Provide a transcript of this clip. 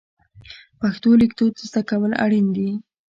پښتو لیکدود زده کول اړین دي.